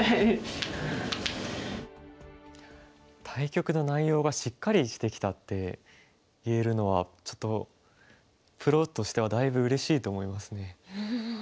対局の内容がしっかりしてきたって言えるのはちょっとプロとしてはだいぶうれしいと思いますね。